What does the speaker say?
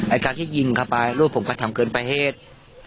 ไอ้สาวที่ยิงเขาไปลูกผมก็ทำเกินประเหตุ